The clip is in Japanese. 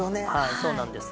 そうなんです。